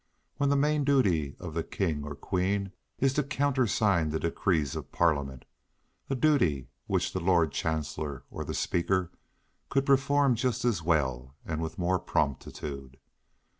when the main duty of the King or Queen is to countersign the decrees of Parliament; a duty which the Lord Chancellor or the Speaker could perform just as well and with more promptitude.